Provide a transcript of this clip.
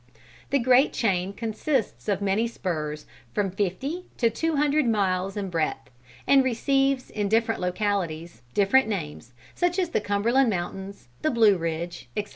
The great chain consists of many spurs, from fifty to two hundred miles in breadth, and receives in different localities, different names, such as the Cumberland mountains, the Blue Ridge, etc.